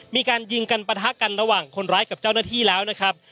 มีการยิงกันปะทะกันระหว่างคนร้ายกับเจ้าหน้าที่แล้วนะครับ